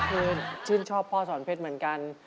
คือชื่นชอบพ่อสอนเพชรเหมือนกัน